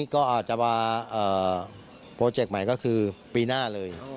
ก็อาจจะมาโปรเจกต์ใหม่ก็คือปีหน้าเลย